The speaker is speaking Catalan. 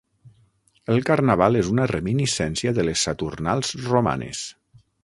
El carnaval és una reminiscència de les Saturnals romanes.